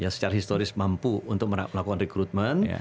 secara historis mampu untuk melakukan rekrutmen